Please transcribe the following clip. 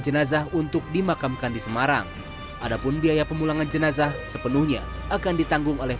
jenazah untuk dimakamkan di semarang adapun biaya pemulangan jenazah sepenuhnya akan ditanggung oleh